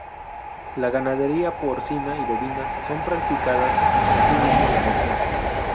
La ganadería porcina y bovina son practicadas así mismo en la región.